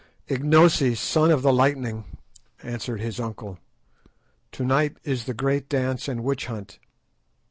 "Ignosi, Son of the Lightning," answered his uncle, "to night is the great dance and witch hunt.